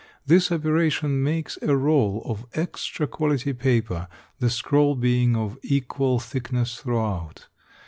This operation makes a roll of extra quality paper, the scroll being of equal thickness throughout.